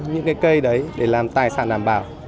những cây đấy để làm tài sản đảm bảo